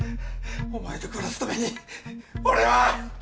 お前と暮らすために俺は。